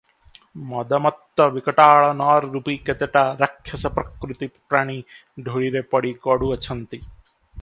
ମଦମତ୍ତ ବିକଟାଳ ନରରୂପୀ କେତେଟା ରାକ୍ଷସପ୍ରକୃତି ପ୍ରାଣୀ ଧୂଳିରେ ପଡ଼ି ଗଡ଼ୁ ଅଛନ୍ତି ।